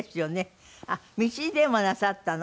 あっ道でもなさったの？